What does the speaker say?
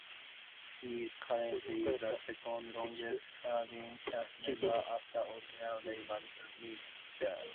She is currently the second-longest serving cast member after original Ray Meagher.